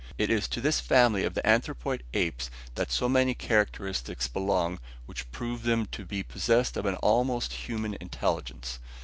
It is to this family of the anthropoid apes that so many characteristics belong which prove them to be possessed of an almost human intelligence.